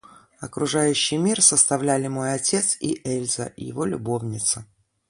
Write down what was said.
Окружающий мир составляли мой отец и Эльза, его любовница.